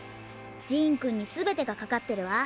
ジーンくんにすべてがかかってるわ。